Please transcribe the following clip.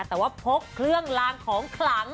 แต่ว่าพกเครื่องลางของขลัง